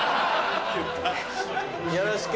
よろしく。